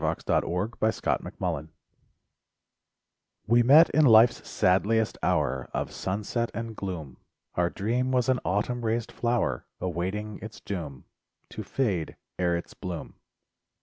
SONGS AND DREAMS My Dream We met in life's sadliest hour Of sunset and gloom; Our dream was an autumn raised flower, Awaiting its doom— To fade ere its bloom.